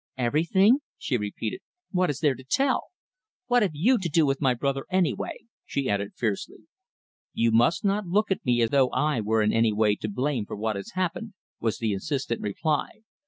"Everything?" she repeated. "What is there to tell. What have you to do with my brother, anyway?" she added fiercely. "You must not look at me as though I were in any way to blame for what has happened," was the insistent reply.